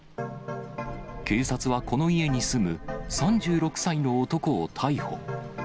警察はこの家に住む３６歳の男を逮捕。